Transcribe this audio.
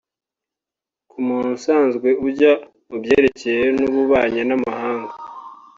ko umuntu usanzwe ajya mu byerekeye n’ububanyi n’amahanga